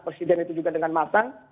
presiden itu juga dengan matang